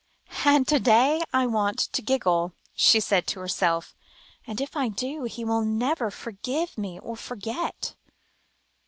"And to day I want to giggle," she said to herself, "and if I do, he will never forgive me or forget."